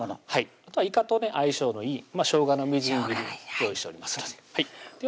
あとはいかとね相性のいいしょうがのみじん切り用意しておりますのででは